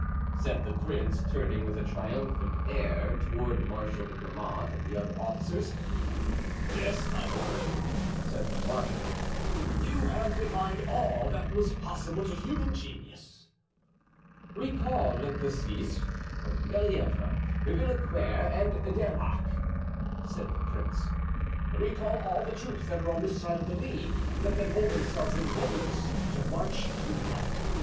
said the prince, turning with a triumphant air toward Marshal de Grammont and the other officers. "Yes, my lord," said the marshal, "you have divined all that was possible to human genius." "Recall Le Plessis, Bellievre, Villequier and D'Erlac," said the prince, "recall all the troops that are on this side of the Lys. Let them hold themselves in readiness to march to night.